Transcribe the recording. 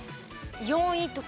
４位とか。